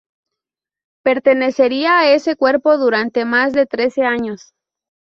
Pertenecería a ese cuerpo durante más de trece años.